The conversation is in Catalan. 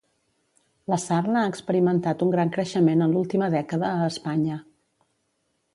La sarna ha experimentat un gran creixement en l'última dècada a Espanya